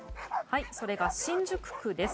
それが新宿区です。